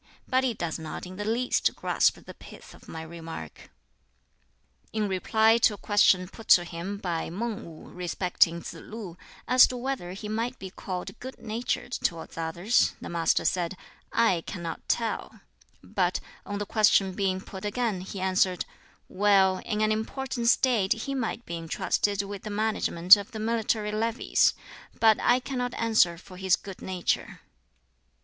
But he does not in the least grasp the pith of my remark." In reply to a question put to him by Mang Wu respecting Tsz lu as to whether he might be called good natured towards others, the Master said, "I cannot tell"; but, on the question being put again, he answered, "Well, in an important State he might be intrusted with the management of the military levies; but I cannot answer for his good nature."